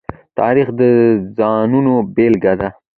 تاریخ د ځانونو بېلګه ده.